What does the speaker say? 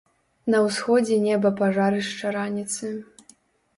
На ўсходзе неба пажарышча раніцы.